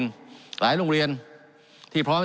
การปรับปรุงทางพื้นฐานสนามบิน